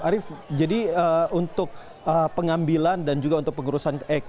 arief jadi untuk pengambilan dan juga untuk pengurusan